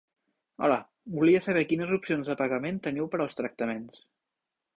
Hola, volia saber quines opcions de pagament teniu per als tractaments?